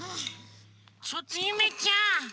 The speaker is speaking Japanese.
ちょっとゆめちゃん